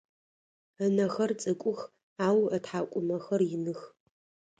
Ынэхэр цӏыкӏух ау ытхьакӏумэхэр иных.